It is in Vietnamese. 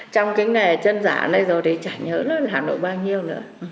trong cái nghề chân giả này rồi thì chả nhớ được hà nội bao nhiêu nữa